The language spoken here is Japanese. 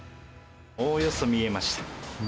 おおよそ見えました。